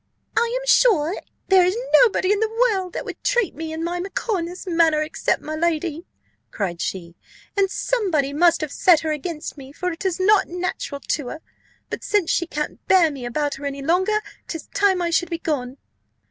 "I am sure there is nobody in the world that would treat me and my macaw in this manner, except my lady," cried she; "and somebody must have set her against me, for it is not natural to her: but since she can't bear me about her any longer, 'tis time I should be gone."